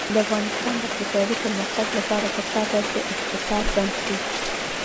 د افغانستان د اقتصادي پرمختګ لپاره پکار ده چې احتکار بند شي.